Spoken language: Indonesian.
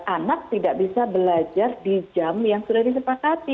anak tidak bisa belajar di jam yang sudah disepakati